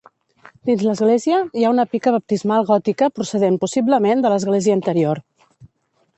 Dins l'església, hi ha una pica baptismal gòtica procedent possiblement de l'església anterior.